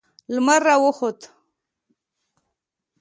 لمر را وخوت.